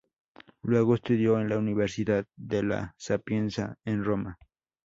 Luego estudió en la Universidad de La Sapienza, en Roma.